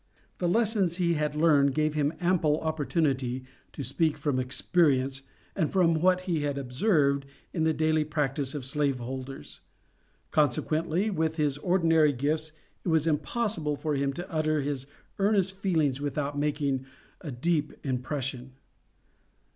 The lessons he had learned gave him ample opportunity to speak from experience and from what he had observed in the daily practices of slave holders; consequently, with his ordinary gifts, it was impossible for him to utter his earnest feelings without making a deep impression.